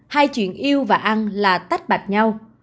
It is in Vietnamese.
hai chuyện yêu và ăn là tách bạch nhau